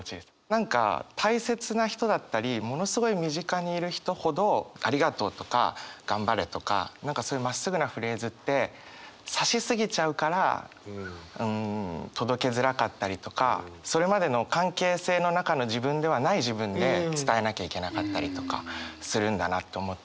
何か大切な人だったりものすごい身近にいる人ほど「ありがとう」とか「頑張れ」とかそういうまっすぐなフレーズってそれまでの関係性の中の自分ではない自分で伝えなきゃいけなかったりとかするんだなと思って。